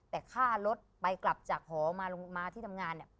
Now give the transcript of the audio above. แต่ค่ารถไปกลับจากหอมาที่ทำงานเนี่ย